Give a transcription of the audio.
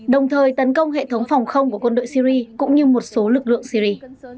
đồng thời tấn công hệ thống phòng không của quân đội syri cũng như một số lực lượng syri